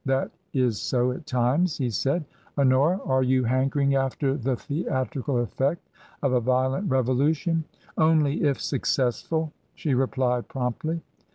" That is so at times," he said. " Honora ! are you 12* 138 TRANSITION. hankering after the theatrical eifect of a violent revolu tion?" " Only if successful !" she replied, promptly.